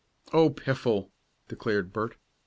"Oh, piffle!" declared Bert.